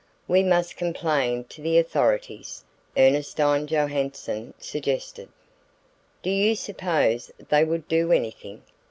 "We must complain to the authorities," Ernestine Johanson suggested. "Do you suppose they would do anything?"